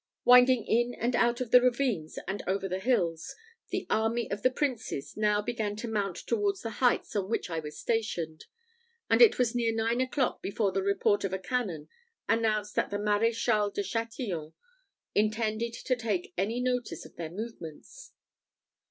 Winding in and out of the ravines and over the hills, the army of the princes now began to mount towards the heights on which I was stationed; and it was near nine o'clock before the report of a cannon announced that the Maréchal de Chatillon intended to take any notice of their movements.